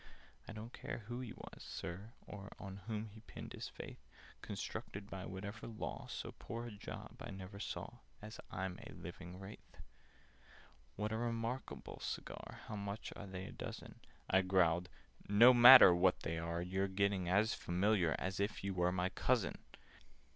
"I don't care who he was, Sir, or On whom he pinned his faith! Constructed by whatever law, So poor a job I never saw, As I'm a living Wraith! "What a re markable cigar! How much are they a dozen?" I growled "No matter what they are! You're getting as familiar As if you were my cousin!